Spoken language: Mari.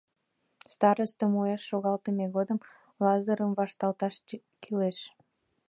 Старостым уэш шогалтыме годым Лазырым вашталташ кӱлеш.